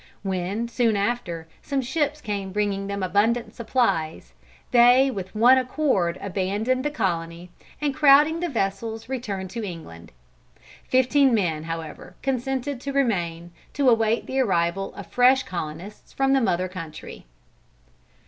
When, soon after, some ships came bringing them abundant supplies, they with one accord abandoned the colony, and crowding the vessels returned to England. Fifteen men however consented to remain, to await the arrival of fresh colonists from the Mother Country.